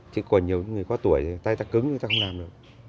chứ còn nhiều người có tuổi thì tay ta cứng người ta không làm được